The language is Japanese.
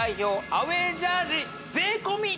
アウェイジャージ税込